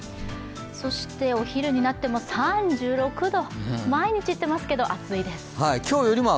そして、お昼になっても３６度毎日言ってますけど、暑いです。